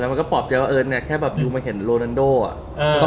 แล้วมันก็พอบใจว่าเอิ้นนะแค่อยู่มาเห็นโรนันโด่อ่า